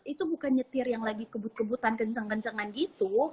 itu bukan nyetir yang lagi kebut kebutan kenceng kencengan gitu